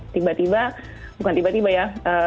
tiba tiba bukan tiba tiba ya